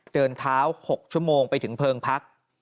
เดินเท้า๖ชั่วโมงไปถึงเพลิงพัก